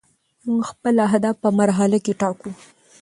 موږ خپل اهداف په مرحله کې ټاکو.